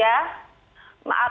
atau ke tempat kerja